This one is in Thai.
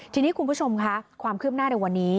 ทีนี้คุณผู้ชมค่ะความคืบหน้าในวันนี้